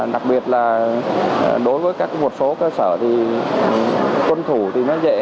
đặc biệt là đối với các một số cơ sở thì tuân thủ thì nó dễ